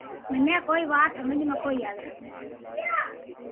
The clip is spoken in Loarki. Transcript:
مني ڪوئي وات ھمج ۾ ڪوئي َآوي